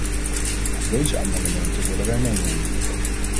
Ook deze amendementen willen wij meenemen.